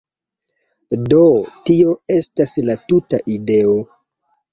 Do, tio estas la tuta ideo